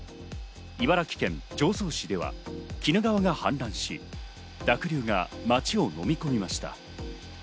茨城県常総市では鬼怒川が氾濫し、濁流が町をのみ込みました。